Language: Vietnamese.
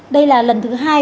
đây là lần thứ hai